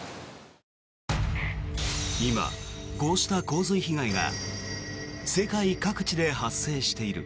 今、こうした洪水被害が世界各地で発生している。